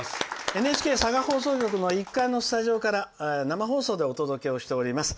ＮＨＫ佐賀放送局の１階のスタジオから生放送でお届けしております。